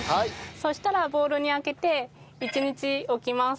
そしたらボウルにあけて一日置きます。